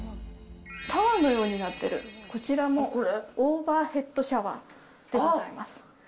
タワーのようになってるこちらもオーバーヘッドシャワーでございます。